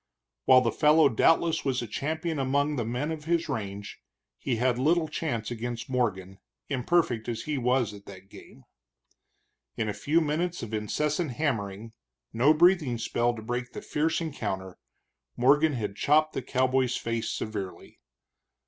While the fellow doubtless was a champion among the men of his range, he had little chance against Morgan, imperfect as he was at that game. In a few minutes of incessant hammering, no breathing spell to break the fierce encounter, Morgan had chopped the cowboy's face severely.